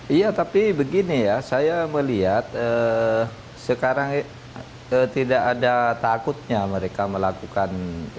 iya tapi begini ya saya melihat sekarang tidak ada takutnya mereka melakukan